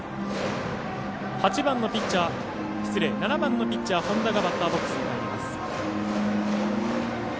７番のピッチャー、本田がバッターボックスに入ります。